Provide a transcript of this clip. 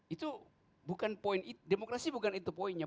itu bukan poin demokrasi bukan itu poinnya